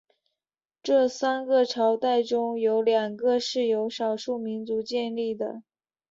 这三个朝代中有两个是由少数民族建立的。